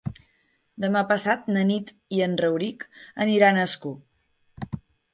Demà passat na Nit i en Rauric aniran a Ascó.